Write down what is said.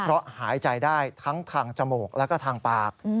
เพราะหายใจได้ทั้งทางจมูกแล้วก็ทางปาก